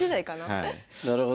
なるほど。